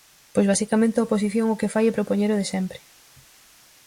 Pois, basicamente, a oposición o que fai é propoñer o de sempre.